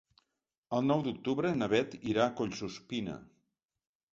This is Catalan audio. El nou d'octubre na Beth irà a Collsuspina.